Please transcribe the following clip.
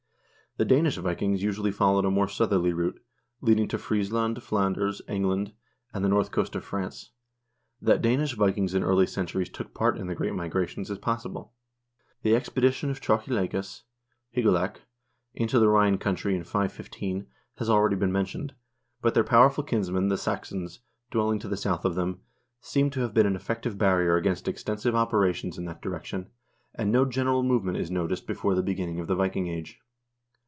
The Danish Vikings usually followed a more southerly route, leading to Friesland, Flanders, England, and the north coast of France. That Danish Vikings in early centuries took part in the great Migra tions is possible. The expedition of Chochilaicus (Hygelac) into the Rhine country in 515 has already been mentioned, but their powerful kinsmen, the Saxons, dwelling to the south of them, seem to have been an effective barrier against extensive operations in THE VIKING PERIOD 51 that direction, and no general movement is noticed before the begin ning of the Viking Age.